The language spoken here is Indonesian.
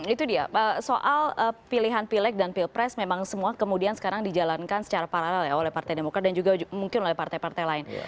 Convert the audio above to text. itu dia soal pilihan pilek dan pilpres memang semua kemudian sekarang dijalankan secara paralel ya oleh partai demokrat dan juga mungkin oleh partai partai lain